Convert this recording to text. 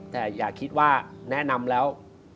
แต่อย่าคิดว่าแนะนำแล้ว